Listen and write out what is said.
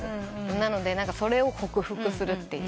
なのでそれを克服するっていう。